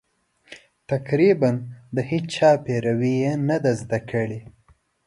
تقریباً د هېچا پیروي یې نه ده کړې.